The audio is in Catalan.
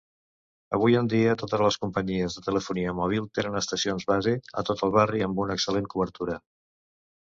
Avui en dia, totes les companyies de telefonia mòbil tenen estacions base a tot el barri, amb una excel·lent cobertura.